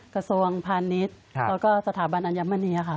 กระทรวงพาณิชย์แล้วก็สถาบันอัญมณีค่ะ